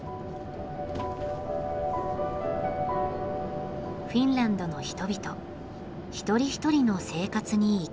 フィンランドの人々一人一人の生活に息づくもの。